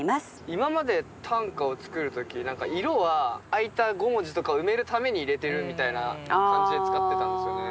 今まで短歌を作る時何か色は空いた５文字とかを埋めるために入れてるみたいな感じで使ってたんですよね。